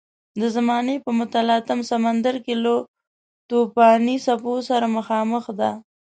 د زمانې په متلاطم سمندر کې له توپاني څپو سره مخامخ ده.